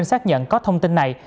xác nhận có thông tin này